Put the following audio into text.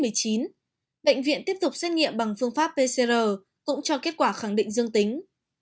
bệnh viện tiếp tục xét nghiệm bằng phương pháp pcr cũng cho kết quả khẳng định dương tính